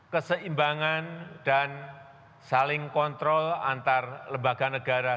keseimbangan dan saling kontrol antar lembaga negara